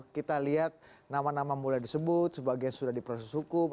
kita lihat nama nama mulai disebut sebagian sudah diproses hukum